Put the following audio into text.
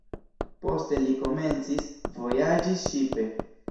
Poste li komencis vojaĝi ŝipe.